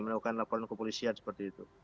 melakukan laporan kepolisian seperti itu